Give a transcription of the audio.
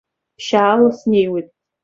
Ԥшьаала снеиуеит.